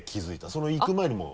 その行く前にもう？